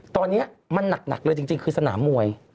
ตอนนี้มันหนักเลยจริงคือสนามมวย